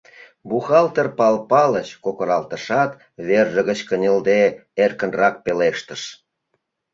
Бухгалтер Пал Палыч кокыралтышат, верже гыч кынелде, эркынрак пелештыш: